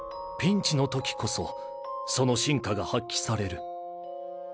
ピンチのときこそその真価が発揮される